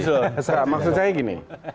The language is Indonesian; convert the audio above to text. saya ingin mengatakan